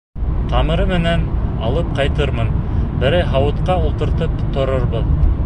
Тамыры менән алып ҡайтырмын, берәй һауытҡа ултыртып торорбоҙ.